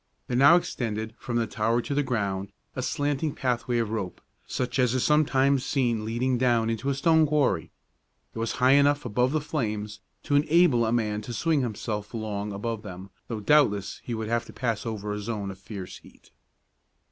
There now extended from the tower to the ground a slanting pathway of rope, such as is sometimes seen leading down into a stone quarry. It was high enough above the flames to enable a man to swing himself along above them, though doubtless he would have to pass over a zone of fierce heat.